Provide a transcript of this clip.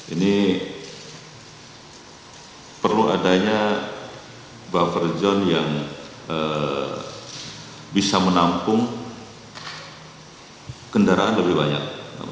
ini perlu adanya buffer zone yang bisa menampung kendaraan lebih banyak